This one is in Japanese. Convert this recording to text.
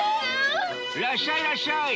らっしゃいらっしゃい！